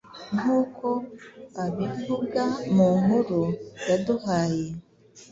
nk'uko abivuga munkuru yaduhaye